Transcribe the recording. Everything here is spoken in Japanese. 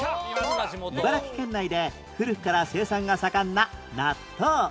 茨城県内で古くから生産が盛んな納豆